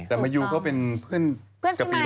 แต่มายูเขาเป็นเพื่อนกับปีใหม่